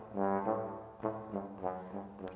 hebas juga kita